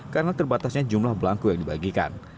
karena terbatasnya jumlah belangku yang dibagikan